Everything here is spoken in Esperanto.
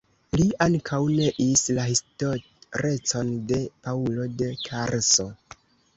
Li ankaŭ neis la historecon de Paŭlo de Tarso.